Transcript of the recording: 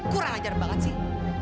kurang ajar banget sih